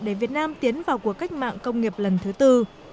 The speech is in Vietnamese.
để việt nam tiến vào cuộc cách mạng công nghiệp lần thứ tư